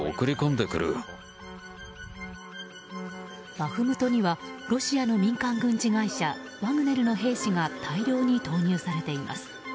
バフムトにはロシアの民間軍事会社ワグネルの兵士が大量に投入されています。